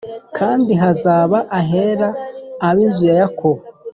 kandi hazaba ahera ab inzu ya Yakobo